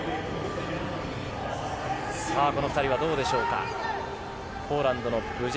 この２人はどうでしょうか？